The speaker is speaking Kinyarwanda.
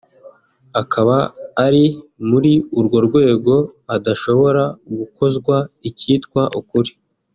akaba ari muri urwo rwego adashobora gukozwa icyitwa ukuri